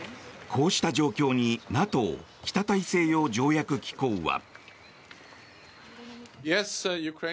こうした状況に、ＮＡＴＯ・北大西洋条約機構は。